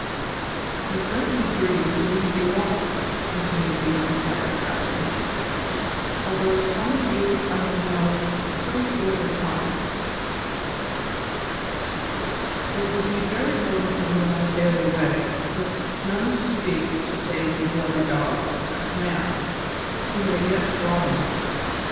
"I greatly grieve to leave you all," continued the young pirate captain, "although some of you I have known so short a time. It will be very lonely when I sail away with none to speak to save the bloody dogs I command, who may yet throttle me.